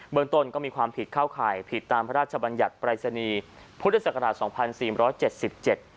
เมืองต้นก็มีความผิดเข้าข่ายผิดตามพระราชบัญญัติปรายศนีย์พุทธศักราชสองพันสี่ร้อยเจ็ดสิบเจ็ด